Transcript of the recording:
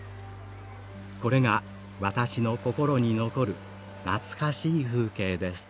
これが私の心に残る懐かしい風景です」。